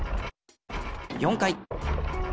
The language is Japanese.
４回。